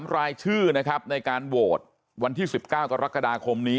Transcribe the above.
รายชื่อนะครับในการโหวตวันที่๑๙กรกฎาคมนี้